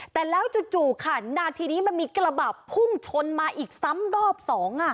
แต่แล้วจู่ค่ะนาทีนี้มันมีกระบะพุ่งชนมาอีกซ้ำรอบสอง